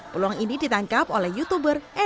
peluang ini ditangkap oleh youtuber